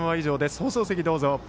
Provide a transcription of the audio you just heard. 放送席、どうぞ。